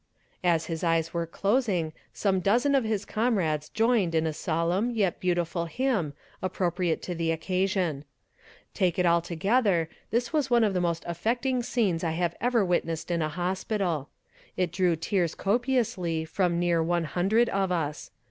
As his eyes were closing, some dozen of his comrades joined in a solemn, yet beautiful hymn, appropriate to the occasion. Take it altogether, this was one of the most affecting scenes I have ever witnessed in a hospital. It drew tears copiously from near one hundred of us.